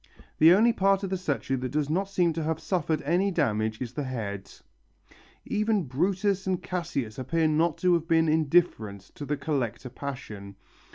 The only part of the statue that does not seem to have suffered any damage is the head. Even Brutus and Cassius appear not to have been indifferent to the collector passion.